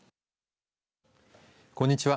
こんにちは。